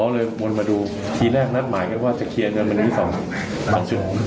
อ๋อเลยวนมาดูทีแรกนัดหมายกันว่าจะเคลียร์เนื้อมันมี๒๕ตอนใบต่อ